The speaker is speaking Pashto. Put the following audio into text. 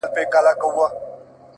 سپوږمۍ ته گوره زه پر بام ولاړه يمه!!